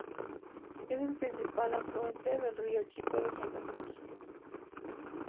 Es el principal afluente del Río Chico de Santa Cruz.